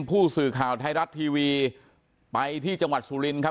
ผู้สื่อข่าวไทยรัฐทีวีไปที่จังหวัดสุรินครับ